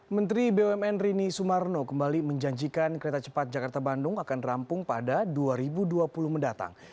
menteri bumn rini sumarno kembali menjanjikan kereta cepat jakarta bandung akan rampung pada dua ribu dua puluh mendatang